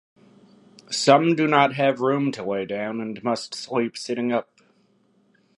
Some do not have room to lay down and must sleep sitting up.